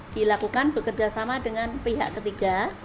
dilakukan bekerjasama dengan pihak ketiga